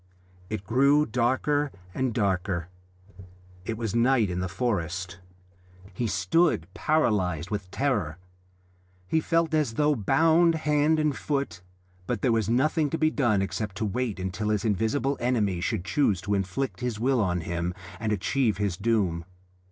It grew darker and darker. It was night in the forest. He stood paralysed with terror; he felt as though bound hand and foot, but there was nothing to be done except to wait until his invisible enemy should choose to inflict his will on him and achieve his doom.